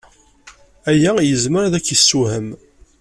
Aya yezmer ad k-yessewhem.